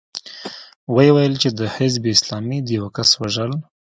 ويې ويل چې د حزب اسلامي د يوه کس وژل.